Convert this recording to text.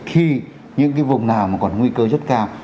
khi những cái vùng nào mà còn nguy cơ rất cao